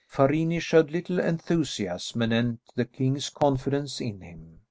Farini showed little enthusiasm anent the king's confidence in him.